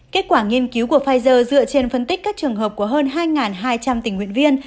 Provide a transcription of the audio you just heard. kết quả nghiên cứu của pfizer dựa trên phân tích các trường hợp của hơn hai hai trăm linh tình nguyện viên